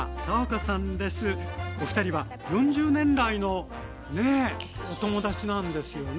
おふたりは４０年来のねえお友達なんですよね？